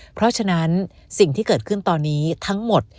เพราะฉะนั้นสิ่งที่เกิดขึ้นตอนนี้ทั้งหมด